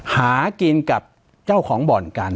ปากกับภาคภูมิ